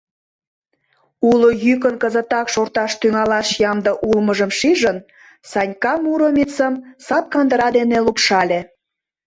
Уло йӱкын кызытак шорташ тӱҥалаш ямде улмыжым шижын, Санька Муромецым сапкандыра дене лупшале.